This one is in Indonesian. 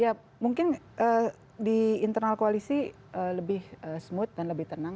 ya mungkin di internal koalisi lebih smooth dan lebih tenang